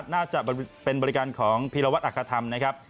น่าจะเป็นบริการของพีรวัตรอัคธรรมนะครับ